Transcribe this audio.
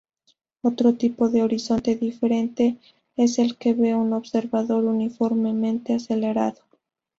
Otro tipo de horizonte diferente es el que ve un observador uniformemente acelerado.